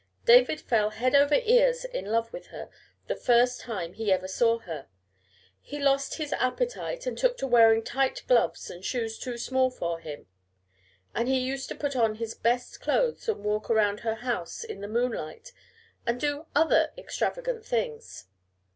David fell head over ears in love with her the first time he ever saw her. He lost his appetite, and took to wearing tight gloves and shoes too small for him, and he used to put on his best clothes and walk around her house in the moonlight and do other extravagant things.